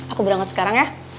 oh iya aku berangkat sekarang ya